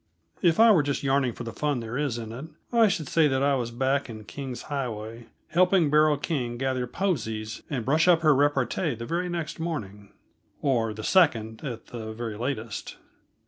If I were just yarning for the fun there is in it, I should say that I was back in King's Highway, helping Beryl King gather posies and brush up her repartee, the very next morning or the second, at the very latest.